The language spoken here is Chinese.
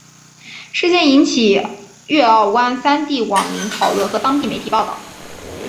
事件引起粤港澳三地网民讨论和当地媒体报导。